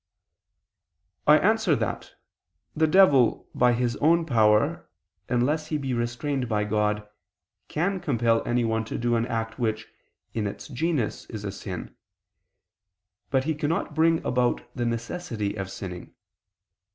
I answer that, The devil, by his own power, unless he be restrained by God, can compel anyone to do an act which, in its genus, is a sin; but he cannot bring about the necessity of sinning.